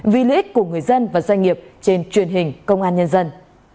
vì lợi ích của người dân và doanh nghiệp trên truyền hình công an nhân dân